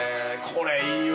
これいいわ。